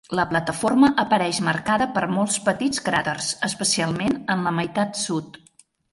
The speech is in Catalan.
La plataforma apareix marcada per molts petits cràters, especialment en la meitat sud.